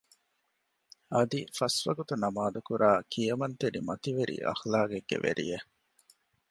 އަދި ފަސްވަގުތު ނަމާދުކުރާ ކިޔަމަންތެރި މަތިވެރި އަޚްލާގެއްގެ ވެރިއެއް